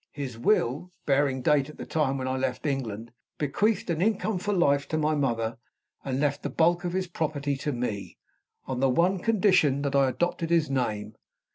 His will, bearing date at the time when I left England, bequeathed an income for life to my mother, and left the bulk of his property to me, on the one condition that I adopted his name.